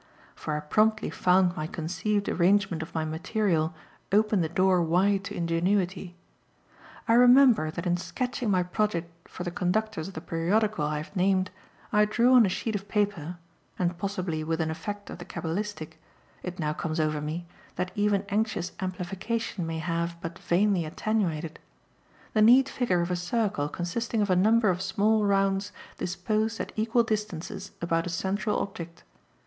For I promptly found my conceived arrangement of my material open the door wide to ingenuity. I remember that in sketching my project for the conductors of the periodical I have named I drew on a sheet of paper and possibly with an effect of the cabalistic, it now comes over me, that even anxious amplification may have but vainly attenuated the neat figure of a circle consisting of a number of small rounds disposed at equal distance about a central object.